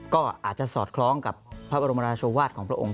ก็อาจจะสอดคล้องกับพระบรมราชวาสของพระองค์